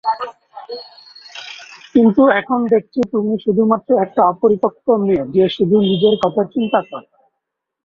কিন্তু এখন দেখছি তুমি শুধুমাত্র একটা অপরিপক্ক মেয়ে যে শুধু নিজের কথা চিন্তা করে।